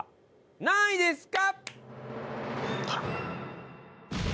何位ですか？